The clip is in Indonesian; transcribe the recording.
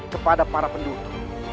kepada para penduduk